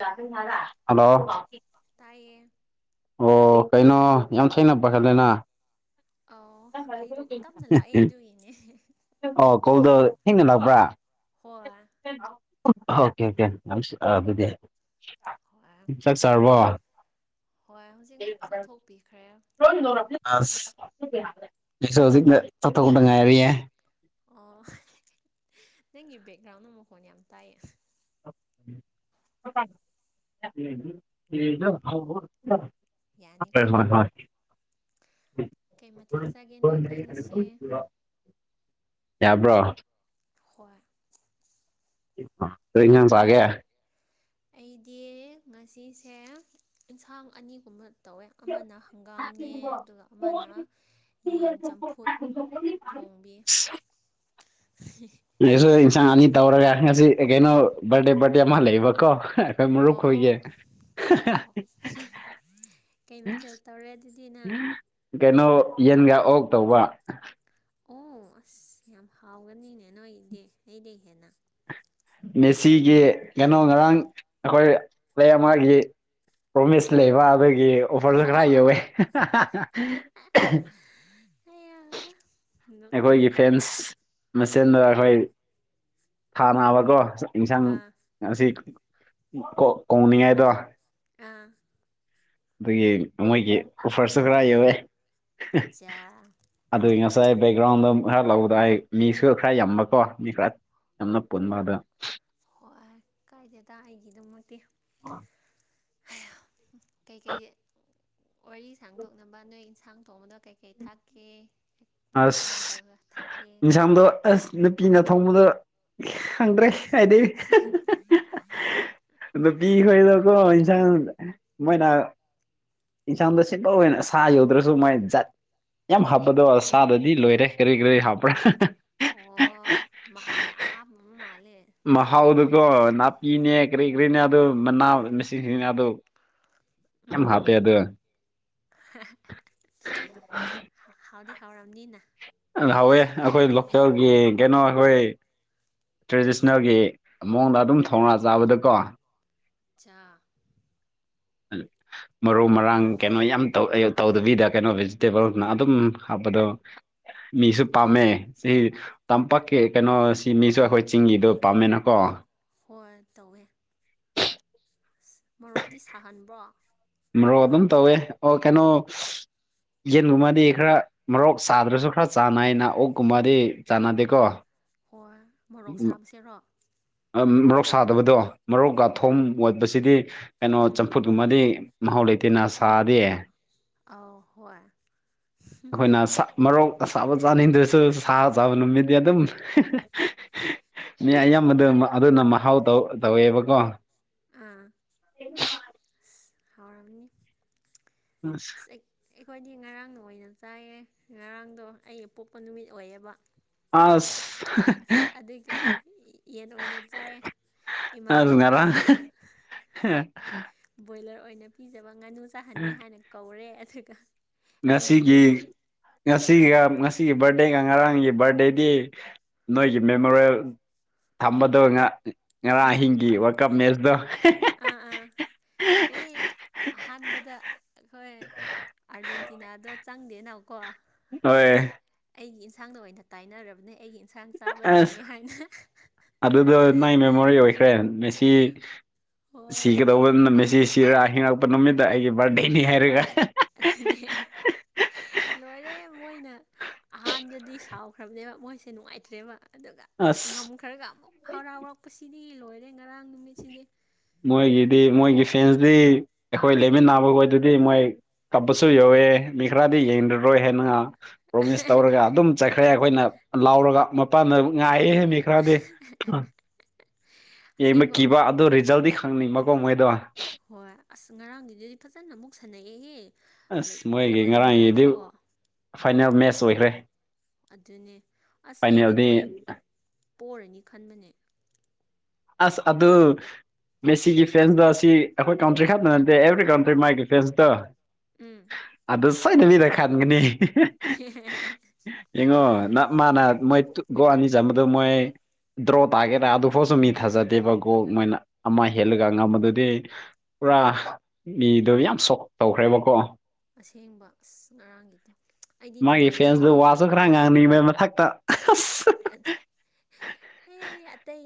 ꯍꯣꯏ ꯍꯜꯂꯣ ꯇꯥꯏꯌꯦ ꯑꯣ ꯀꯩꯅꯣ ꯌꯥꯝ ꯁꯦꯡꯅ ꯄꯥꯏꯈꯠꯂꯦꯅ ꯑ ꯑꯩꯗꯣ ꯇꯞꯅ ꯂꯥꯛꯑꯦ ꯑꯗꯨꯒꯤꯅꯦ ꯑꯣ ꯀꯣꯜꯗ ꯊꯦꯡꯅ ꯂꯥꯛꯄ꯭ꯔꯥ ꯍꯣꯏ ꯑꯣꯀꯦ ꯑꯣꯀꯦ ꯌꯥꯝ ꯑꯗꯨꯗꯤ ꯍꯣꯏ ꯆꯥꯛ ꯆꯥꯔꯕꯣ ꯍꯣꯏ ꯍꯧꯖꯤꯛ ꯉꯥꯛ ꯆꯠꯊꯣꯛꯄꯤꯈ꯭ꯔꯦ [unintelligible] ꯑꯣ ꯅꯪꯒꯤ ꯕꯦꯛꯒ꯭ꯔꯥꯎꯟ ꯃꯈꯣꯟ ꯌꯥꯝ ꯇꯥꯏ ꯍꯥꯎ ꯌꯥꯅꯤꯀꯣ ꯦ ꯀꯩ ꯃꯊꯦꯜ ꯆꯥꯒꯦ ꯅꯣꯏꯗꯤ ꯉꯁꯤ [unintelligible] ꯌꯥꯕ꯭ꯔꯣ ꯍꯣꯏ ꯇꯥꯏ ꯁꯥꯒꯦ ꯑꯩꯗꯤ ꯉꯁꯤꯁꯦ ꯌꯦꯟꯁꯥꯡ ꯑꯅꯤꯒꯨꯝꯕ ꯇꯧꯋꯦ ꯑꯃꯅ ꯍꯪꯒꯥꯝꯅꯦ ꯑꯗꯨꯒ ꯑꯃꯅ ꯌꯦꯟ ꯆꯝꯐꯨꯠ ꯊꯣꯡꯕꯤ ꯑꯩꯁꯨ ꯏꯟꯁꯥꯡ ꯑꯅꯤ ꯇꯧꯔꯒ ꯉꯁꯤ ꯀꯩꯅꯣ ꯕꯥꯔꯗꯦ ꯕꯥꯔꯗꯦ ꯑꯃ ꯂꯩꯕꯀꯣ ꯍꯣꯏ ꯃꯔꯨꯞ ꯑꯣ ꯈꯣꯏꯒꯦ ꯑꯣ ꯀꯩ ꯃꯊꯦꯜ ꯇꯧꯔꯦ ꯑꯗꯨꯗꯤꯅ ꯀꯩꯅꯣ ꯌꯦꯟꯒꯥ ꯑꯣꯛ ꯇꯧꯕ ꯑꯣ ꯑꯁ ꯌꯥꯝ ꯍꯥꯎꯒꯅꯤꯅꯦ ꯅꯣꯏꯗꯤ ꯑꯩꯗꯩꯩ ꯍꯦꯟꯅ ꯃꯦꯁꯤꯒꯤ ꯀꯩꯅꯣ ꯉꯔꯥꯡ ꯑꯩꯈꯣꯏ ꯑꯃꯒꯤ ꯄ꯭ꯔꯣꯃꯤꯁ ꯑꯥ ꯂꯩꯕ ꯑꯩꯈꯣꯢꯒꯤ ꯑꯣꯐꯔꯁꯨ ꯈꯔ ꯌꯥꯎꯋꯦ ꯑꯌꯥ ꯑꯩꯈꯣꯏꯒꯤ ꯅꯣꯛꯅꯤꯡꯉꯤꯗꯀꯣ ꯐꯦꯟꯁ ꯃꯁꯦꯟꯗ ꯈꯣꯏ ꯊꯥꯅꯕꯀꯣ ꯌꯦꯟꯁꯥꯡ ꯑꯥ ꯉꯁꯤ ꯀꯣꯡꯅꯤꯡꯉꯥꯏꯗꯣ ꯑꯥ ꯑꯗꯨꯒꯤ ꯃꯣꯏꯒꯤ ꯑꯣꯐꯔꯁꯨ ꯈꯔ ꯌꯧꯑꯦ ꯑꯆꯆꯥ ꯑꯗꯨꯒꯤ ꯉꯁꯥꯏ ꯕꯦꯛꯒ꯭ꯔꯥꯎꯟꯗ ꯈꯔ ꯂꯧꯕꯗ ꯑꯩ ꯃꯤꯁꯨ ꯈꯔ ꯌꯥꯝꯃꯀꯣ ꯃꯤ ꯈꯔ ꯌꯥꯝꯅ ꯄꯨꯟꯕꯗ ꯍꯣꯏ ꯀꯥꯏꯗꯦꯗ ꯑꯩꯒꯤꯗꯨꯃꯛꯇꯤ ꯑ ꯀꯩꯀꯩ ꯋꯥꯔꯤ ꯁꯥꯡꯗꯣꯛꯅꯕ ꯅꯣꯏ ꯑꯦꯟꯁꯥꯡ ꯊꯣꯡꯕꯗ ꯀꯩꯀꯩ ꯊꯥꯛꯀꯦ ꯀꯃꯥꯏ ꯀꯃꯥꯏ ꯑꯁ ꯇꯧꯔꯒ ꯊꯥꯛꯀꯦ ꯌꯦꯟꯁꯥꯥꯡꯗꯣ ꯑꯁ ꯅꯨꯄꯤꯅ ꯊꯣꯡꯕꯗ ꯈꯪꯗ꯭ꯔꯦ ꯍꯥꯏꯗꯦ ꯅꯨꯄꯤꯈꯣꯏꯗꯀꯣ ꯏꯟꯁꯥꯡ ꯃꯣꯏꯅꯥ ꯏꯟꯁꯥꯡꯗ ꯁꯤꯠꯄ ꯑꯣꯏꯅ ꯁꯥ ꯌꯧꯗ꯭ꯔꯁꯨ ꯃꯥꯏ ꯖꯥꯠ ꯌꯥꯝ ꯍꯥꯞꯄꯗꯣ ꯑꯁ ꯆꯥꯗꯗꯤ ꯂꯣꯏꯔꯦ ꯀꯔꯤ ꯀꯔꯤ ꯍꯥꯞꯄ꯭ꯔꯥ ꯑꯣ ꯃꯍꯥꯎ ꯌꯥꯝ ꯍꯥꯞꯄ ꯑꯃ ꯃꯥꯜꯂꯦ ꯃꯊꯦꯜ ꯃꯊꯦꯜ ꯃꯍꯥꯎꯗꯨꯀꯣ ꯅꯥꯄꯤꯅꯦ ꯀꯔꯤ ꯀꯔꯤꯅꯦ ꯑꯗꯨ ꯃꯅꯥ ꯃꯁꯤꯡꯁꯤꯅꯦ ꯑꯗꯨ ꯌꯥꯝ ꯎꯝ ꯍꯥꯞꯄꯦ ꯑꯗꯨ ꯍꯥꯎꯗꯤ ꯍꯥꯎꯔꯝꯅꯤꯅ ꯍꯥꯎꯋꯦ ꯑꯩꯈꯣꯏ ꯂꯣꯀꯦꯜꯒꯤ ꯀꯩꯅꯣ ꯑꯩꯈꯣꯏ ꯇ꯭ꯔꯦꯗꯤꯁꯅꯦꯜꯒꯤ ꯃꯑꯣꯡꯗ ꯑꯗꯨꯝ ꯊꯣꯡꯉ ꯆꯥꯕꯗꯀꯣ ꯑꯆꯁꯥ ꯃꯔꯨ ꯃꯔꯥꯡ ꯀꯩꯅꯣ ꯌꯥꯝ ꯇꯧ ꯇꯧꯗꯕꯤꯗ ꯀꯩꯅꯣ ꯚꯦꯖꯤꯇꯦꯕꯜꯅ ꯑꯗꯨꯝ ꯍꯥꯞꯄꯗꯣ ꯃꯤꯁꯨ ꯄꯥꯝꯃꯦ ꯁꯤ ꯇꯝꯄꯥꯛꯀꯤ ꯀꯩꯅꯣ ꯁꯤ ꯃꯤꯁꯨ ꯑꯩꯈꯣꯏ ꯆꯤꯡꯒꯤꯗꯣ ꯄꯥꯝꯃꯦꯅ ꯀꯣ ꯍꯣꯏ ꯇꯧꯋꯦ ꯑꯁ ꯃꯣꯔꯣꯛꯇꯤ ꯁꯥꯍꯟꯕꯔꯣ ꯃꯔꯣꯛ ꯑꯗꯨꯝ ꯇꯧꯋꯦ ꯑꯣ ꯀꯩꯅꯣ ꯌꯦꯟꯒꯨꯝꯕꯗꯤ ꯈꯔ ꯃꯔꯣꯛ ꯆꯗ꯭ꯔꯁꯨ ꯈꯔ ꯆꯥꯟꯅꯩꯅ ꯑꯣꯛꯀꯨꯝꯕꯗꯤ ꯆꯥꯟꯅꯗꯦꯀꯣ ꯍꯣꯏ ꯃꯣꯔꯣꯛ ꯁꯥꯕꯁꯦꯔꯣ ꯃꯔꯣꯛ ꯁꯥꯗꯕꯗꯣ ꯃꯔꯣꯛꯀ ꯑꯣ ꯊꯨꯝ ꯑꯣ ꯑꯣ ꯋꯥꯠꯄꯁꯤꯗꯤ ꯀꯩꯅꯣ ꯎꯝ ꯆꯝꯐꯨꯠ ꯑꯗꯨꯕꯗꯤ ꯃꯍꯥꯎ ꯂꯩꯇꯦꯅ ꯁꯥꯗꯤ ꯑ ꯑꯧ ꯍꯣꯏ ꯑꯩꯈꯣꯏꯅ ꯃꯔꯣꯛ ꯑꯁꯥꯕ ꯆꯥꯅꯤꯡꯗ꯭ꯔꯁꯨ ꯁꯥ ꯆꯥꯕ ꯅꯨꯃꯤꯠꯗꯤ ꯑꯗꯨꯝ ꯃꯤ ꯑꯌꯥꯝꯕꯗ ꯑꯗꯨꯅ ꯃꯍꯥꯎ ꯇꯧ ꯇꯧꯋꯦꯕꯀꯣ ꯑꯥ ꯑꯁ ꯍꯥꯎꯔꯝꯅꯤ ꯑꯁ ꯑꯁ ꯑꯩꯈꯣꯏꯗꯤ ꯉꯔꯥꯡꯅ ꯑꯣꯏꯅ ꯆꯥꯏꯌꯦ ꯉꯔꯥꯡꯗꯣ ꯑꯩ ꯄꯣꯛꯄ ꯅꯨꯃꯤꯠ ꯑꯣꯏꯌꯦꯕ ꯑꯁ ꯑꯁ ꯑꯗꯨꯒꯤ ꯌꯦꯟ ꯑꯣꯏꯅ ꯆꯥꯏꯌꯦ ꯏꯃꯥꯟꯅꯕꯤ ꯈꯣꯏꯗ ꯍ ꯕꯣꯏꯂꯔ ꯑꯣꯏꯅ ꯄꯤꯖꯕ ꯉꯥꯅꯨ ꯆꯥꯍꯟꯅꯤ ꯍꯥꯏꯅ ꯀꯧꯔꯦ ꯑꯗꯨꯒ ꯑꯩꯒꯤ ꯃꯁꯤꯒꯤ ꯌꯨꯝ ꯑꯥ ꯅꯁꯤꯒꯁꯤ ꯁꯤꯒꯤ ꯕꯥꯔꯗꯦꯒ ꯉꯔꯥꯡꯒꯤ ꯕꯥꯔꯗꯦꯗꯤ ꯅꯣꯏꯒꯤ ꯃꯦꯃꯣꯔꯜ ꯊꯝꯕꯗꯣ ꯉ ꯉꯔꯥꯡ ꯑꯥ ꯑꯍꯤꯡꯒꯤ ꯋꯥꯔꯜ ꯀꯞ ꯃꯦꯁꯇꯣ ꯑꯥ ꯑꯥ ꯑꯦ ꯑꯍꯥꯟꯕꯗ ꯑꯩꯈꯣꯏ ꯑꯥꯔꯖꯦꯟꯇꯤꯅꯥꯗ ꯆꯪꯗꯦꯅꯎꯀꯣ ꯍꯣꯏ ꯑꯩꯒꯤ ꯏꯟꯁꯥꯡꯗ ꯑꯣꯏꯅ ꯇꯥꯏꯅꯔꯕꯅꯦ ꯑꯩꯒꯤ ꯏꯟꯁꯥꯡ ꯆꯥꯕꯗꯩꯅꯦ ꯍꯥꯏꯅ ꯑꯗꯨꯗ ꯅꯅꯥꯪꯒꯤ ꯃꯦꯃꯣꯔꯤ ꯑꯣꯏꯈ꯭ꯔꯦ ꯃꯦꯁꯤ ꯍꯣꯏ ꯁꯤꯒꯗꯧꯕꯅ ꯃꯦꯁꯤ ꯆꯤꯔꯥ ꯍꯤꯉꯛꯄ ꯅꯨꯃꯤꯠꯇ ꯑꯩꯒꯤ ꯕꯥꯔꯗꯦꯅꯤ ꯍꯥꯏꯔꯒ ꯑꯗꯨꯅꯦ ꯂꯣꯏꯔꯦ ꯃꯣꯏꯅ ꯑꯍꯥꯟꯕꯗꯤ ꯁꯥꯎꯈ꯭ꯔꯕꯅꯦꯕ ꯃꯣꯏꯁꯦ ꯅꯨꯡꯉꯥꯏꯇ꯭ꯔꯦꯕ ꯑꯗꯨꯒ ꯑꯁ ꯉꯝꯈ꯭ꯔꯒ ꯑꯃꯨꯛ ꯍꯔꯥꯎꯔꯛꯄꯁꯤꯗꯤ ꯂꯣꯏꯔꯦ ꯉꯔꯥꯡ ꯅꯨꯃꯤꯠꯁꯤꯗꯤ ꯃꯣꯏꯒꯤꯗꯤ ꯃꯣꯏꯒꯤ ꯐꯦꯟꯁꯇꯤ ꯑꯩꯈꯣꯏ ꯂꯩꯃꯤꯟꯅ ꯅꯥꯕꯈꯣꯏꯗꯗꯤ ꯃꯣꯏ ꯀꯞꯄꯁꯨ ꯌꯧꯋꯦ ꯃꯤ ꯈꯔꯗꯤ ꯌꯦꯡꯉꯔꯣꯏ ꯍꯥꯏꯅ ꯉꯔꯥꯡ ꯄ꯭ꯔꯣꯃꯤꯁ ꯇꯧꯔꯒ ꯑꯗꯨꯝ ꯆꯠꯈ꯭ꯔꯦ ꯑꯩꯈꯣꯏꯅ ꯂꯥꯎꯔꯒ ꯃꯄꯥꯟꯗ ꯉꯥꯏꯑꯦ ꯈꯔꯗꯤ ꯑ ꯌꯦꯡꯕ ꯑꯁꯦꯡꯕ ꯀꯤꯕ ꯑꯗꯨꯗꯣ ꯔꯤꯖꯜꯗꯤ ꯈꯪꯅꯤꯡꯕꯀꯣ ꯃꯣꯏꯗꯣ ꯍꯣꯏ ꯑꯁ ꯉꯔꯥꯡꯒꯤꯗꯨꯗꯤ ꯐꯖꯅ ꯑꯃꯨꯛ ꯁꯥꯟꯅꯩꯑꯦꯍꯦ ꯂꯥꯏꯛ ꯑꯁ ꯃꯣꯏꯒꯤ ꯉꯔꯥꯡꯒꯤꯗꯤ ꯂꯣꯏꯔꯝꯗꯥꯏꯗꯀꯣ ꯐꯥꯏꯅꯦꯜ ꯃꯦꯁ ꯑꯗꯨꯅꯦ ꯑꯁ ꯑꯩꯗꯤ ꯐꯥꯏꯅꯦꯜꯗꯤ ꯃꯣꯏ ꯄꯣꯔꯅꯤ ꯈꯟꯕꯅꯦ ꯑꯁ ꯑ ꯑꯗꯨ ꯃꯦꯁꯤꯒꯤ ꯐꯦꯟꯁꯇ ꯑꯁꯤ ꯑꯩꯈꯣꯏ ꯀꯥꯎꯟꯇ꯭ꯔꯤ ꯈꯛꯇ ꯅꯠꯇꯦ ꯑꯦꯕ꯭ꯔꯤ ꯀꯥꯎꯟꯇ꯭ꯔꯤ ꯃꯥꯒꯤ ꯐꯦꯟꯁꯇ ꯎꯝ ꯑꯗꯨ ꯁꯣꯏꯗꯕꯤꯗ ꯈꯟꯒꯅꯤ ꯌꯦꯡꯉꯣ ꯅꯞ ꯃꯥꯅ ꯃꯣꯏ ꯒꯣꯜ ꯑꯅꯤ ꯆꯟꯕꯗ ꯃꯣꯏ ꯗ꯭ꯔꯣ ꯇꯥꯒꯦꯗꯔꯥ ꯑꯗꯨꯐꯥꯎꯁꯨ ꯃꯤ ꯊꯥꯖꯗꯦꯕ ꯒꯣꯜ ꯃꯣꯏꯅ ꯑꯃ ꯍꯣ ꯍꯦꯜꯂꯒ ꯉꯝꯕꯗꯨꯗꯤ ꯄꯨꯔꯥ ꯃꯤꯗꯨꯣ ꯌꯥꯝ ꯁꯣꯛ ꯇꯧꯈ꯭ꯔꯦꯕꯀꯣ ꯑꯁꯦꯡꯕ ꯑꯁ ꯉꯔꯥꯡꯒꯤꯗꯣ ꯑꯩꯗꯤ ꯅꯨꯡꯉꯥꯏꯕꯤꯗꯦ ꯑꯁꯨ ꯈꯔ ꯉꯥꯡꯅꯤꯡꯕꯒꯤ ꯃꯊꯛꯇ ꯑꯁ ꯑ ꯑꯩ ꯑꯇꯩ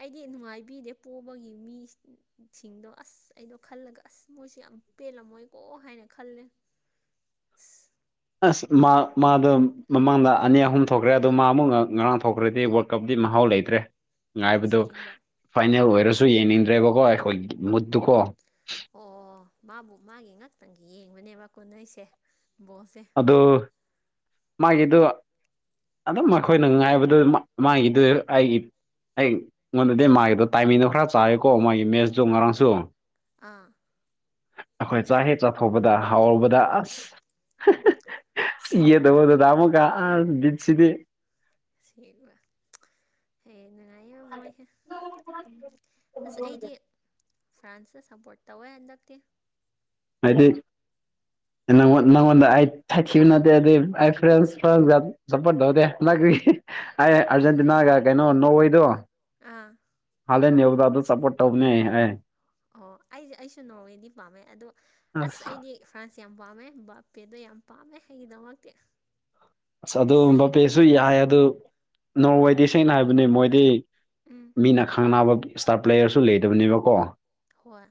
ꯑꯩꯗꯤ ꯅꯨꯡꯉꯥꯏꯕꯤꯗꯦ ꯄꯣꯕꯒꯤ ꯃꯤꯁꯤꯡꯗꯣ ꯑꯁ ꯑꯩꯗꯣ ꯈꯜꯂꯒ ꯑꯁ ꯃꯣꯏꯁꯨ ꯌꯥꯝ ꯄꯦꯜꯂꯝꯃꯣꯏꯀꯣ ꯍꯥꯏꯅ ꯈꯜꯂꯦ ꯑꯁ ꯑꯁ ꯅꯨꯡꯉꯥꯏꯇꯦ ꯃꯥꯗ ꯃꯃꯥꯡꯗ ꯑꯥ ꯑꯅꯤ ꯑꯍꯨꯝ ꯊꯣꯛꯈ꯭ꯔꯦ ꯑꯗꯨ ꯃꯥ ꯑꯃꯨꯛ ꯉꯔꯥꯡ ꯊꯣꯛꯈ꯭ꯔꯗꯤ ꯋꯥꯔꯜ ꯀꯞꯗꯤ ꯃꯍꯥꯎ ꯂꯩꯇ꯭ꯔꯦ ꯉꯥꯏꯕꯗꯨ ꯑꯁꯦꯡꯕ ꯐꯥꯏꯅꯦꯜ ꯑꯣꯏꯔꯁꯨ ꯌꯦꯡꯅꯤꯡꯗ꯭ꯔꯦꯕꯀꯣ ꯑꯩꯈꯣꯏꯒꯤ ꯃꯨꯠꯇꯨꯀꯣ ꯑꯣ ꯃꯥꯕꯨ ꯃꯥꯒꯤ ꯉꯥꯛꯇꯪꯒꯤ ꯌꯦꯡꯕꯅꯦꯕ ꯀꯣꯟꯅꯩꯁꯦ ꯕꯣꯁꯦ ꯑꯗꯨ ꯃꯥꯒꯤꯗꯨ ꯑꯗꯨꯝ ꯎꯝ ꯑꯩꯈꯣꯏ ꯑꯩꯅ ꯉꯥꯏꯕꯗꯨ ꯃꯥꯒꯤꯗꯨ ꯑꯩꯒꯤ ꯑꯩ ꯑꯩꯉꯣꯟꯗꯗꯤ ꯃꯥꯒꯤꯗꯣ ꯇꯥꯏꯃꯤꯡꯗꯣ ꯈꯔ ꯆꯥꯋꯦꯀꯣ ꯃꯥꯒꯤ ꯃꯦꯁꯇꯣ ꯉꯔꯥꯡꯁꯨ ꯑꯥ ꯑꯩꯈꯣꯏ ꯆꯥꯛ ꯍꯦꯛ ꯆꯥꯊꯣꯛꯄꯗ ꯍꯥꯎꯔꯨꯕꯗ ꯑꯁ ꯑꯁ ꯁꯤꯒ ꯇ ꯑꯣꯗ ꯇꯥꯃꯨꯒ ꯠꯁꯤꯗꯤꯦ ꯁꯤ ꯍꯌꯦ ꯅꯨꯡꯉꯥꯏꯌꯦꯕ ꯃꯣꯏꯁꯦ ꯑꯁ ꯑꯩꯗꯤ ꯐ꯭ꯔꯥꯟꯁꯇ ꯁꯞꯄꯣꯔꯠ ꯇꯧꯋꯦ ꯍꯟꯗꯛꯇꯤ ꯍꯥꯏꯗꯤ ꯅꯪꯉꯣꯟꯗ ꯅꯪꯗꯤ ꯅꯪꯉꯣꯟꯗ ꯑꯩ ꯊꯛꯈꯤꯕ ꯅꯠꯇꯦ ꯑꯗꯨꯢ ꯑꯩ ꯐ꯭ꯔꯦꯟꯁ ꯐ꯭ꯔ ꯁꯄꯣꯔꯇ ꯇꯧꯗꯦ ꯑꯩ ꯇꯧꯗꯦ ꯑꯥꯔꯖꯦꯟꯇꯤꯅꯥꯒ ꯀꯩꯅꯣ ꯅꯣꯔꯋꯦꯗꯣ ꯑꯥ ꯍꯂꯦ ꯅꯕꯗ ꯑ ꯑꯗꯨ ꯆꯄꯣꯠ ꯇꯧꯅꯦ ꯍꯥꯏ ꯑꯣ ꯑꯩꯖꯦ ꯑꯩꯁꯨ ꯅꯣꯔꯋꯦꯗꯤ ꯄꯥꯝꯃꯦ ꯑꯗꯨ ꯑꯁ ꯑꯩꯗꯤ ꯐ꯭ꯔꯥꯟꯁ ꯌꯥꯝ ꯄꯥꯝꯃꯦ ꯕꯥꯄꯦꯗꯣ ꯌꯥꯝ ꯄꯥꯝꯃꯦ ꯑꯩꯒꯤꯗꯃꯛꯇꯤ ꯑꯁ ꯑꯗꯨ ꯕꯕꯦꯁꯨ ꯌꯥꯏ ꯑꯗꯨ ꯅꯣꯔꯋꯦꯗꯤ ꯁꯦꯡꯅ ꯍꯥꯏꯕꯅꯦ ꯃꯣꯏꯗꯤ ꯎꯝ ꯃꯤꯅ ꯈꯪꯅꯥꯅꯕ ꯏꯁꯇꯥꯔ ꯄ꯭ꯂꯦꯌꯔꯁꯨ ꯂꯩꯇꯕꯅꯦꯕꯀꯣ ꯍꯣꯏ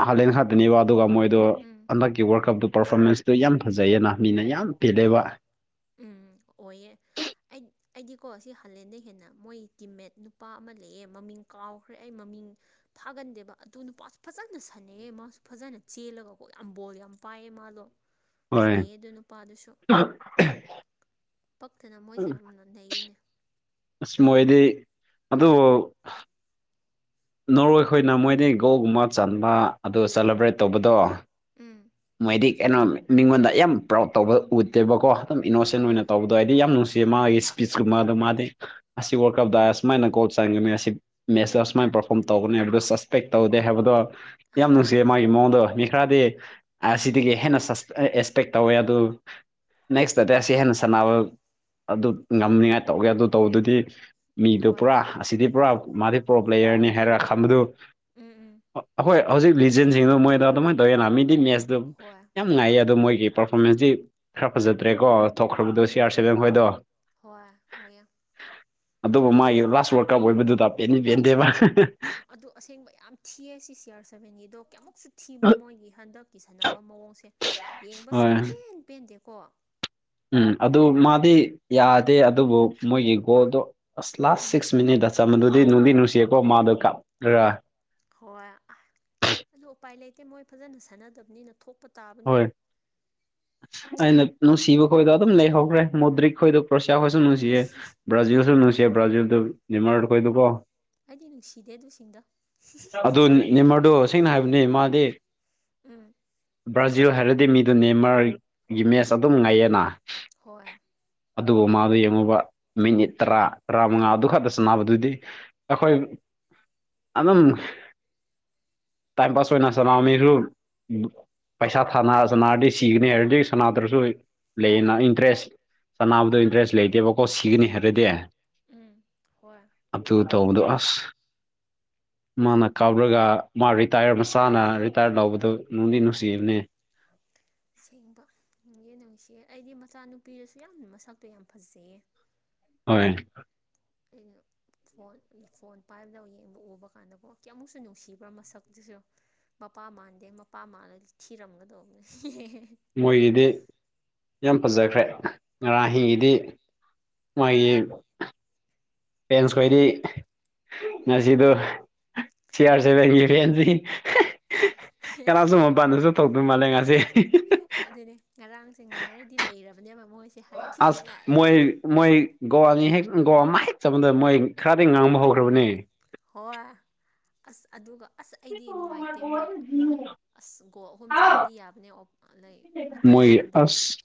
ꯍꯥꯜꯂꯦꯟ ꯈꯥꯛꯇꯅꯦꯕ ꯑꯗꯨꯒ ꯃꯣꯏꯗꯣ ꯎꯝ ꯍꯟꯗꯛꯀꯤ ꯋꯥꯔꯜꯀꯞꯇꯨ ꯄꯔꯐꯣꯔꯃꯦꯟꯁꯇꯨ ꯌꯥꯝ ꯐꯖꯩꯌꯦꯅ ꯃꯤꯅ ꯌꯥꯝ ꯄꯦꯜꯂꯦꯕ ꯍꯣꯏ ꯎꯝ ꯑꯣꯏꯌꯦ ꯑꯩ ꯑꯩꯗꯤꯀꯣ ꯁꯤ ꯍꯜꯂꯦꯟꯅ ꯍꯦꯟꯅ ꯃꯣꯏ ꯇꯤꯝꯃꯦꯠ ꯅꯨꯄꯥ ꯑꯃ ꯂꯩꯌꯦꯦ ꯃꯃꯤꯡ ꯀꯥꯎꯈ꯭ꯔꯦ ꯑꯩ ꯃꯃꯤꯡ ꯊꯥꯒꯟꯗꯦꯕ ꯑꯗꯨ ꯅꯨꯄꯥꯁꯨ ꯐꯖꯅ ꯁꯥꯟꯅꯩꯑ ꯃꯥꯁꯨ ꯐꯖꯅ ꯆꯦꯜꯂꯒꯀꯣ ꯌꯥꯝ ꯕꯣꯜ ꯌꯥꯝ ꯄꯥꯏꯌꯦ ꯃꯥꯗꯣ [unintelligible] ꯅꯩꯌꯦ ꯑꯗꯨ ꯅꯨꯄꯥꯗꯨꯁꯨ ꯄꯛꯇꯅ ꯃꯣꯏꯁꯦ ꯌꯥꯝꯅ ꯅꯩꯌꯦꯅꯦ ꯑꯁ ꯃꯣꯏꯗꯤ ꯑꯗꯨ ꯅꯣꯔꯋꯦꯈꯣꯏꯅ ꯃꯣꯏꯗꯤ ꯒꯣꯒꯨꯝꯕ ꯆꯟꯕ ꯑꯗꯨ ꯁꯦꯂꯦꯕ꯭ꯔꯦꯠ ꯇꯧꯕꯗꯣ ꯎꯝ ꯍꯥꯏꯗꯤ ꯀꯩꯅꯣ ꯃꯤꯉꯣꯟꯗ ꯌꯥꯝ ꯄ꯭ꯔꯥꯎꯠ ꯇꯧꯕ ꯎꯠꯇꯦꯕꯀꯣ ꯑꯗꯨꯝ ꯏꯅꯣꯁꯦꯟ ꯍꯣꯏ ꯑꯣꯏꯅ ꯇꯧꯕ ꯗꯣ ꯑꯩꯗꯤ ꯌꯥꯝ ꯅꯨꯡꯁꯤꯌꯦ ꯃꯥꯒꯤ ꯁꯄꯤꯁꯀꯨꯝꯕꯗꯣ ꯃꯥꯗꯤ ꯑꯁꯤ ꯋꯥꯔꯜ ꯀꯞꯗ ꯑꯁꯨꯃꯥꯢꯅ ꯒꯣꯜ ꯆꯪꯉꯒꯅꯤ ꯑꯁꯤ ꯃꯦꯁꯇ ꯑꯁꯨꯃꯥꯢ ꯄꯔꯐꯣ ꯗꯨꯝ ꯇꯧꯒꯅꯤ ꯑꯗꯨꯒ ꯁꯁꯄꯦꯛ ꯇꯧꯗꯦ ꯍꯥꯏꯕꯗꯣ ꯌꯥꯝ ꯑꯥ ꯅꯨꯡꯁꯤꯌꯦ ꯃꯥꯒꯤ ꯃꯑꯣꯡꯗꯣ ꯃꯤ ꯈꯔꯗꯤ ꯑꯁꯤꯗꯒꯤ ꯍꯦꯟꯅ ꯁꯁ ꯑꯦꯁꯄꯦꯛ ꯇꯧꯋꯦ ꯑꯗꯨ ꯅꯦꯛꯁꯇꯗꯤ ꯑꯁꯤ ꯍꯦꯟꯅ ꯁꯥꯟꯅꯕ ꯑꯗꯨ ꯉꯝꯅꯤꯉꯥꯏ ꯇꯧꯒꯦ ꯑꯗꯨ ꯇꯧꯕꯗꯨꯗꯤ ꯃꯤꯗꯨ ꯍꯣꯏ ꯄꯨꯔꯥ ꯑꯁꯤꯗꯤ ꯄꯨꯔꯥ ꯃꯥꯗꯤ ꯄꯔꯣꯄ꯭ꯂꯦꯌꯔꯅꯤ ꯍꯥꯏꯔ ꯈꯝꯕꯗꯨ ꯎꯝ ꯎꯝ ꯑꯩꯈꯣꯏ ꯍꯧꯖꯤꯛ ꯂꯤꯖꯦꯟꯁꯤꯡꯗꯨ ꯃꯣꯏꯗ ꯑꯗꯨꯃꯥꯏꯅ ꯇꯧꯋꯦꯅ ꯃꯤꯗꯤ ꯃꯦꯁꯇ ꯍꯣꯏ ꯉꯥꯏꯏ ꯑꯗꯣ ꯃꯣꯏꯒꯤ ꯄꯥꯔꯐꯣꯔꯃꯦꯟꯁꯇꯤ ꯈꯔ ꯐꯖꯗ꯭ꯔꯦꯀꯣ ꯊꯣꯛꯈ꯭ꯔꯕꯗꯣ ꯁꯤ ꯑꯥꯔ ꯎꯝ ꯁꯚꯦꯟ ꯈꯣꯏꯗꯣ ꯍꯣꯏ ꯑꯣꯏꯌꯦ ꯑꯗꯨꯕꯨ ꯃꯥꯒꯤ ꯑꯁ ꯂꯥꯁ ꯋꯥꯔꯗ ꯀꯞ ꯑꯣꯏꯕꯗꯨꯗ ꯄꯦꯟꯗꯤ ꯄꯦꯟꯗꯦꯕ ꯑꯗꯨ ꯑꯁꯦꯡꯕ ꯌꯥꯝ ꯊꯤꯑ ꯁꯤ ꯁꯤ ꯑꯥꯔ ꯁꯚꯦꯟꯒꯤꯗꯣ ꯀꯌꯥꯃꯨꯛꯁꯨ ꯊꯤꯕ꯭ꯔꯥ ꯃꯣꯏꯒꯤ ꯍꯟꯗꯛ ꯀꯤꯁꯟꯅꯅꯕ ꯃꯑꯣꯡꯁꯦ ꯌꯦꯡꯕ ꯍꯣꯏ ꯁꯨꯡ ꯄꯦꯟ ꯄꯦꯟꯗꯦꯀꯣ ꯎꯝ ꯑꯗꯨ ꯃꯥꯗꯤ ꯌꯥꯗꯦ ꯑꯗꯨꯕꯨ ꯃꯣꯏꯒꯤ ꯒꯣꯜꯗꯣ ꯑꯁ ꯂꯥꯁ ꯎꯝ ꯁꯤꯛꯁ ꯃꯤꯅꯤꯗꯗ ꯆꯝꯗꯨꯗꯤ ꯅꯨꯡꯗꯤ ꯅꯨꯡꯁꯤꯌꯦꯀꯣ ꯃꯥꯗꯣ ꯀꯥꯞꯈ꯭ꯔꯥ ꯍꯣꯏ ꯑ ꯑꯗꯨ ꯎꯄꯥꯏ ꯂꯩꯇꯦ ꯃꯣꯏ ꯐꯖꯅ ꯁꯥꯟꯅꯗꯕꯅꯤꯅ ꯊꯣꯞꯄ ꯇꯥꯞ ꯍꯣꯏ ꯑꯩꯅ ꯅꯨꯡꯁꯤꯕ ꯈꯣꯏꯗꯣ ꯑꯗꯨꯝ ꯂꯩꯍꯧꯈ꯭ꯔꯦ ꯃꯣꯗ꯭ꯔꯤꯛ ꯈꯣꯏꯗꯣ ꯄ꯭ꯔꯣꯁꯤꯌꯥ ꯈꯣꯏꯁꯨ ꯅꯨꯡꯁꯤꯌꯦ ꯕ꯭ꯔꯥꯖꯤꯜꯁꯨ ꯅꯨꯡꯁꯤ ꯕ꯭ꯔꯥꯖꯤꯜꯗꯨ ꯗꯤꯃꯥꯔꯠꯈꯣꯏꯗꯨꯀꯣ ꯑꯩꯗꯤ ꯅꯨꯡꯁꯤꯗꯦ ꯑꯗꯨꯁꯤꯡꯗ ꯑꯗꯨ ꯅꯤꯃꯔꯗꯣ ꯁꯦꯡꯅ ꯍꯥꯏꯕꯅꯦ ꯃꯥꯗꯤ ꯎꯝ ꯕ꯭ꯔꯥꯖꯤꯜ ꯍꯥꯏꯔꯗꯤ ꯃꯤꯗꯨ ꯅꯦꯃꯥꯔꯒꯤ ꯃꯦꯠꯆ ꯑꯗꯨꯝ ꯉꯥꯏꯌꯦꯅ ꯍꯣꯏ ꯑꯗꯨꯒ ꯃꯥꯗꯣ ꯌꯦꯡꯉꯣꯕ ꯃꯤꯅꯤꯠ ꯇꯔꯥ ꯎꯝ ꯇꯔꯥꯃꯉꯥꯗꯨ ꯈꯛꯇ ꯁꯥꯟꯅꯕꯗꯨꯗꯤ ꯑꯩꯈꯣꯏ ꯑꯗꯨꯝ ꯇꯥꯏꯝ ꯄꯥꯁ ꯑꯣꯏꯅ ꯁꯥꯟꯅꯕ ꯃꯤꯁꯨ ꯄꯩꯁꯥ ꯊꯥꯅꯔ ꯁꯥꯟꯅꯔꯗꯤ ꯁꯤꯒꯅꯤ ꯍꯥꯏꯔꯗꯒꯤ ꯁꯥꯟꯅꯥꯗ꯭ꯔꯁꯨ ꯂꯩꯌꯦꯅ ꯏꯟꯇ꯭ꯔꯦꯁ ꯆꯥꯟꯅꯕꯗ ꯏꯟꯇꯔꯦꯁ ꯂꯩꯇꯦꯕꯀꯣ ꯁꯤꯒꯅꯤ ꯍꯥꯏꯔꯗꯤ ꯎꯝ ꯍꯣꯏ ꯑꯗꯨ ꯇꯧꯕꯗꯣ ꯑꯁ ꯃꯥꯅ ꯀꯥꯞꯔꯒ ꯃꯥ ꯔꯤꯇꯥꯌꯔ ꯃꯆꯥꯅ ꯔꯤꯇꯥꯌꯔ ꯂꯧꯕꯗꯨ ꯅꯨꯡꯗꯤ ꯅꯨꯡꯁꯤꯕꯅꯦ ꯁꯦꯡꯕ ꯌꯦ ꯅꯨꯡꯁꯤꯌꯦ ꯑꯩꯗꯤ ꯃꯆꯥꯅꯨꯄꯤꯗꯨꯁꯨ ꯌꯥꯝꯅ ꯃꯁꯛꯇꯣ ꯌꯥꯝ ꯐꯖꯩꯌꯦ ꯍꯣꯏ ꯑꯩꯅ ꯐꯣꯟ ꯐꯣꯟ ꯄꯥꯏꯕꯗ ꯌꯦꯡꯕ ꯎꯕ ꯀꯥꯟꯗꯀꯣ ꯀꯌꯃꯨꯛꯁꯨ ꯅꯨꯡꯁꯤꯕ꯭ꯔꯥ ꯃꯁꯛꯇꯨꯁꯨ ꯃꯄꯥ ꯃꯥꯟꯗꯦ ꯃꯄꯥ ꯃꯥꯜꯂꯗꯣ ꯊꯤꯔꯝꯒꯗꯧꯕꯅꯦ ꯃꯣꯏꯒꯤꯗꯤ ꯌꯥꯝ ꯐꯖꯈ꯭ꯔꯦ ꯉꯔꯥꯡ ꯍꯣꯏ ꯍꯤꯡꯒꯤꯡꯗꯤ ꯃꯣꯏꯒꯤ ꯄꯦꯟꯁ ꯈꯣꯏꯗꯤ ꯉꯁꯤꯗꯣ ꯁꯤꯌꯥꯔ ꯁꯕꯦꯟꯒꯤ [unintelligible] ꯀꯅꯥꯁꯨꯨ ꯃꯄꯥꯟꯗꯁꯨ ꯊꯣꯛꯇ ꯃꯥꯜꯂꯦ ꯉꯁꯤ ꯑꯗꯨꯅꯦ ꯉꯔꯥꯡꯁꯦ ꯉꯥꯏꯔꯗꯤ ꯂꯩꯔꯕꯅꯦꯕ ꯃꯣꯏꯁꯦ ꯑꯁ ꯍꯥꯏꯊꯤꯅꯉꯥꯏ ꯃꯣꯏ ꯃꯣꯏ ꯒꯣꯜ ꯑꯅꯤ ꯍꯦꯛ ꯒꯣꯜ ꯑꯃ ꯍꯦꯛ ꯆꯟꯕꯗꯥ ꯃꯣꯏ ꯈꯔꯗꯤ ꯉꯥꯡꯕ ꯍꯧꯈ꯭ꯔꯕꯅꯦ ꯍꯣꯏ ꯑꯁ ꯑꯗꯨꯒ ꯑꯁ ꯑꯩꯗꯤ ꯅꯨꯡꯉꯥꯏꯇꯦ ꯃꯣꯏ ꯑꯁ ꯒꯣꯜ ꯑꯍꯨꯝ ꯆꯟꯕꯗꯤ ꯌꯥꯕꯅꯦ ꯃꯣꯏꯒꯤ ꯑꯇꯩꯁꯤꯡꯗꯣ ꯑꯁ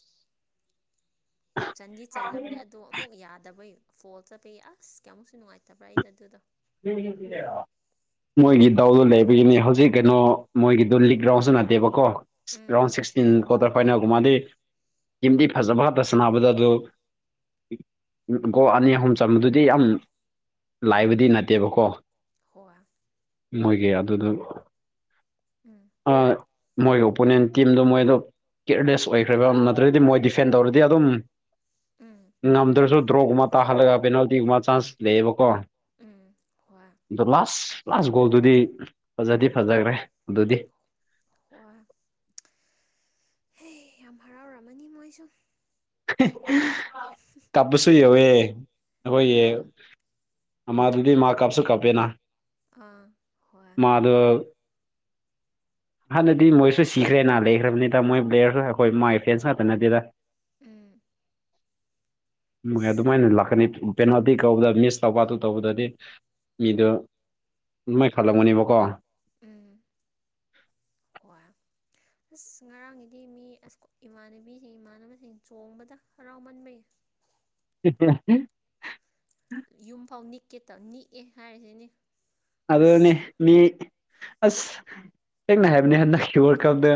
ꯆꯟꯗꯤ ꯆꯜꯂꯕꯅꯦ ꯑꯗꯣ ꯑꯃꯨꯛ ꯌꯥꯗꯕꯩ ꯐꯣꯜ ꯆꯠꯄꯒꯤ ꯑꯁ ꯀꯌꯥꯃꯨꯛꯁꯨ ꯅꯨꯡꯉꯥꯏꯇꯕ꯭ꯔꯥ ꯑꯩꯗ ꯑꯗꯨꯗꯣ [unintelligible] ꯃꯣꯏꯒꯤ ꯗꯥꯎꯗꯣ ꯂꯩꯕꯒꯤꯅꯤ ꯍꯧꯖꯤꯛ ꯀꯩꯅꯣ ꯃꯣꯏꯒꯤꯗꯨꯣ ꯂꯤꯛ ꯔꯥꯎꯟꯁꯨ ꯅꯠꯇꯦꯕꯀꯣ ꯎꯝ ꯔꯥꯎꯗ ꯁꯤꯛꯁꯇꯤꯟ ꯀ꯭ꯋꯥꯇꯔ ꯐꯥꯏꯅꯦꯜꯒꯨꯝꯕꯗꯤ ꯇꯤꯝꯗꯤ ꯐꯖꯕ ꯁꯥꯟꯅꯕꯗꯣ ꯑꯗꯨ ꯒꯣ ꯑꯅꯤ ꯑꯍꯨꯝ ꯆꯕꯗꯨꯗꯤ ꯌꯥꯝ ꯂꯥꯏꯕꯗꯤ ꯅꯠꯇꯦ ꯇꯦꯕꯀꯣ ꯍꯣꯋꯥ ꯃꯣꯏꯒꯤ ꯑꯗꯨꯗ ꯎꯝ ꯑꯥ ꯃꯣꯏꯒꯤ ꯑꯣꯄꯣꯅꯦꯟ ꯇꯤꯝꯗꯣ ꯃꯣꯏꯗꯣ ꯀꯤꯌꯔꯂꯦꯁ ꯑꯣꯏꯈ꯭ꯔꯦꯕ ꯅꯠꯇ꯭ꯔꯗꯤ ꯃꯣꯏ ꯗꯤꯐꯦꯟ ꯇꯧꯔꯗꯤ ꯑꯗꯨꯝ ꯎꯝ ꯉꯝꯗ꯭ꯔꯁꯨ ꯗ꯭ꯔꯣꯒꯨꯝꯕ ꯇꯥꯍꯜꯂꯒ ꯄꯦꯅꯥꯜꯇꯤꯒꯨꯝꯕ ꯆꯥꯟꯁ ꯂꯩꯌꯦꯕꯀꯣ ꯎꯝ ꯍꯣꯌ ꯗꯣ ꯂꯥꯁ ꯂꯥꯁ ꯒꯣꯜꯗꯨꯗꯤ ꯐꯖꯗꯤ ꯐꯖꯒ꯭ꯔꯦ ꯑꯗꯨꯗꯤ ꯋꯥ ꯍꯦ ꯌꯥꯝ ꯍꯔꯥꯎꯔꯝꯃꯅꯤ ꯃꯣꯏꯁꯨ ꯇꯞꯄꯁꯨ ꯌꯧꯋꯦ ꯑꯈꯣꯏꯌꯦ ꯑꯧ ꯑꯃꯗꯨꯗꯤ ꯃꯥ ꯀꯥꯞꯁꯨ ꯀꯥꯞꯄꯦꯅ ꯑꯥ ꯍꯣꯏ ꯗꯣ ꯍꯥꯟꯅꯗꯤ ꯃꯣꯏꯁꯨ ꯁꯤꯈ꯭ꯔꯦꯅ ꯂꯩꯈ꯭ꯔꯕꯅꯤꯗ ꯃꯣꯏ ꯄ꯭ꯂꯦꯌꯔ ꯑꯩꯈꯣꯏ ꯃꯥꯏ ꯐꯦꯟꯁ ꯉꯥꯛꯇ ꯅꯠꯇꯦꯗ ꯎꯝ ꯅꯨꯡꯉꯥꯏ ꯑꯗꯨꯃꯥꯏꯅ ꯂꯥꯛꯀꯅꯤ ꯄꯦꯅꯥꯜꯇꯤ ꯀꯧꯕꯗ ꯃꯤꯁ ꯇꯧꯕ ꯑꯗꯨ ꯇꯧꯕꯗꯗꯤ ꯃꯤꯗꯨ ꯅꯨꯃꯥꯏ ꯈꯜꯂꯝꯒꯅꯤꯕꯀꯣ ꯎꯝ ꯍꯣꯏ ꯑꯁ ꯉꯔꯥꯡꯒꯤꯗꯤ ꯃꯤ ꯑꯁ ꯏꯃꯥꯟꯅꯕꯤꯁꯤꯡ ꯏꯃꯥꯟꯅꯕꯁꯤꯡ ꯆꯣꯡꯕꯗ ꯍꯔꯥꯎꯃꯟꯕꯒꯤ [unintelligible] ꯌꯨꯝꯐꯥꯎ ꯅꯤꯛꯀꯦ ꯇ ꯅꯤꯛꯑꯦ ꯍꯥꯏꯔꯤꯁꯤꯅꯦ ꯑꯗꯨꯅꯤ ꯃꯤ ꯑꯁ ꯁꯦꯡꯅ ꯍꯥꯏꯕꯅꯦ ꯍꯟꯗꯛꯀꯤ ꯋꯥꯔꯜꯗ ꯀꯞꯗ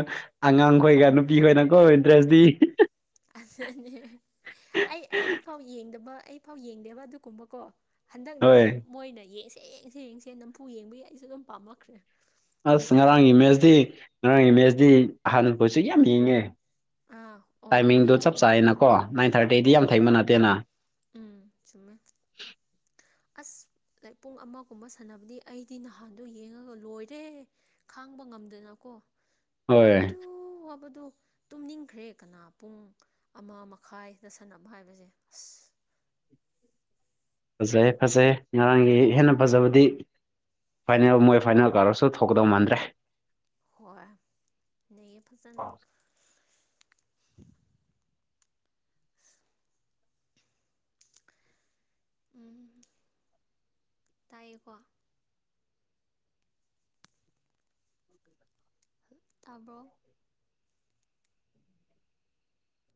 ꯑꯉꯥꯡ ꯈꯣꯏꯒ ꯅꯨꯄꯤ ꯈꯣꯏꯅ ꯀꯣ ꯏꯟꯇꯔꯦꯁꯇꯤ ꯑꯗꯨꯅꯦ ꯑꯩ ꯑꯩ ꯑꯩꯐꯥꯎ ꯌꯦꯡꯗꯕ ꯑꯩꯐꯥꯎ ꯌꯦꯡꯗꯦꯕ ꯑꯗꯨꯒꯨꯝꯕꯀꯣ ꯍꯟꯗꯛꯅ ꯍꯣꯏ ꯃꯣꯏꯅ ꯌꯦꯡꯁꯦ ꯌꯦꯡꯁꯦ ꯌꯦꯡꯁꯦ ꯅꯝꯐꯨ ꯌꯦꯡꯕꯒꯤ ꯑꯩꯁꯨ ꯑꯗꯨꯝ ꯄꯥꯝꯃꯛꯈ꯭ꯔꯦ ꯑꯁ ꯉꯔꯥꯡꯒꯤ ꯃꯦꯖꯗꯤ ꯉꯔꯥꯡꯒꯤ ꯃꯦꯖꯗꯤ ꯑꯍꯥꯟꯅ ꯈꯣꯢꯁꯨ ꯌꯥꯝ ꯌꯦꯡꯉꯦ ꯑꯥ ꯑꯣ ꯇꯥꯏꯃꯤꯡꯗꯣ ꯑꯣꯏꯌꯦ ꯆꯞ ꯑꯣꯏꯌꯦ ꯆꯥꯢꯌꯦꯅꯀꯣ ꯅꯥꯏꯟ ꯊꯥꯔꯇꯤꯗꯤ ꯌꯥꯝ ꯍꯣꯏ ꯊꯦꯡꯕ ꯅꯠꯇꯦꯅ ꯎꯝ ꯆꯨꯝꯃꯦ ꯑꯁ ꯄꯨꯡ ꯑꯃꯒꯨꯝꯕ ꯁꯥꯟꯅꯕꯗꯤ ꯑꯩꯗꯤ ꯅꯍꯥꯟꯗꯣ ꯌꯦꯡꯉꯒ ꯂꯣꯏꯔꯦ ꯈꯥꯡꯕ ꯉꯝꯗꯅꯀꯣ ꯋꯥꯕꯗꯨ ꯍꯣꯏ ꯋꯥꯕꯗꯨ ꯇꯨꯝꯅꯤꯡꯈ꯭ꯔꯦ ꯀꯅꯥ ꯄꯨꯡ ꯑꯃ ꯃꯈꯥꯏꯗ ꯁꯥꯟꯅꯕ ꯍꯥꯏꯕꯁꯦ ꯑꯁ ꯐꯖꯩꯑꯦ ꯐꯖꯩꯑꯦ ꯉꯔꯥꯡꯒꯤ ꯍꯦꯟꯅ ꯐꯖꯕꯗꯤ ꯐꯥꯏꯅꯦꯜ ꯃꯣꯏ ꯐꯥꯏꯅꯦꯜ ꯀꯧꯔꯁꯨ ꯊꯣꯛꯀꯗꯧ ꯃꯥꯟꯗ꯭ꯔꯦ ꯍꯣꯏ ꯅꯩꯌꯦ ꯐꯖꯅ ꯎꯝ ꯇꯥꯏꯌꯦꯀꯣ [inaudible] ꯇꯥꯕ꯭ꯔꯣ